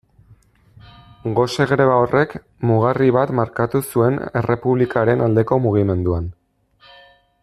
Gose greba horrek mugarri bat markatu zuen errepublikaren aldeko mugimenduan.